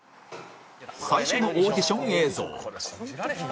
最初のオーディション映像